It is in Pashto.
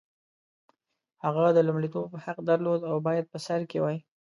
هغه د لومړیتوب حق درلود او باید په سر کې وای.